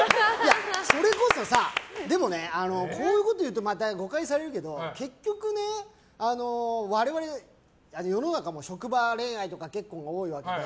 それこそさ、でもこういうことを言うとまた誤解されるけど結局、世の中も職場恋愛とかが結構多いわけで。